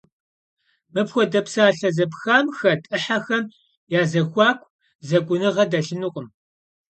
Мыпхуэдэ псалъэ зэпхам хэт ӏыхьэхэм я зэхуаку зэкӏуныгъэ дэлъынукъым.